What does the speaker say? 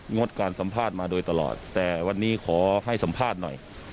งดการสัมภาษณ์มาโดยตลอดแต่วันนี้ขอให้สัมภาษณ์หน่อย